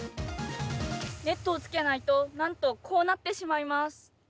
ネットをつけないとなんとこうなってしまいます。